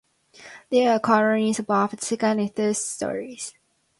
There are cornices above the second and third stories.